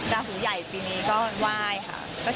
ราหูใหญ่ปีนี้ก็ไหว้ค่ะ